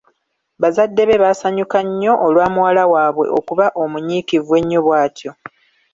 Bazadde be baasanyuka nnyo olwa muwala waabwe okuba omunyiikivu ennyo bwatyo.